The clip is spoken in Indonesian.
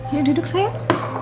iya duduk sayang